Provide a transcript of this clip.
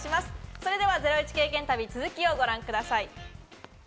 それではゼロイチ経験旅、続きをご覧ください。